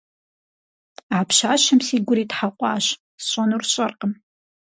А пщащэм си гур итхьэкъуащ, сщӏэнур сщӏэркъым.